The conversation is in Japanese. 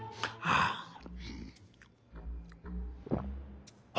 ああ。